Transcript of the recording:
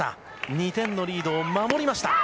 ２点のリードを守りました。